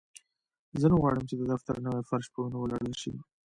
زه نه غواړم چې د دفتر نوی فرش په وینو ولړل شي